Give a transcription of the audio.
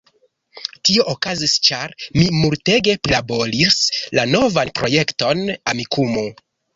Tio okazis ĉar mi multege prilaboris la novan projekton, "Amikumu"